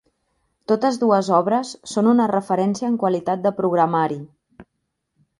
Totes dues obres són una referència en qualitat de programari.